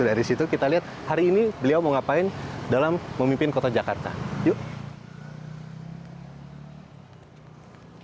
dari situ kita lihat hari ini beliau mau ngapain dalam memimpin kota jakarta yuk